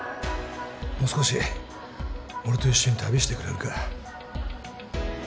もう少し俺と一緒に旅してくれるか？